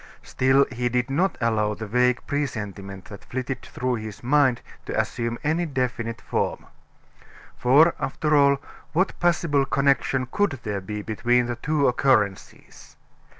Still, he did not allow the vague presentiment that flitted through his mind to assume any definite form. For after all, what possible connection could there be between the two occurrences?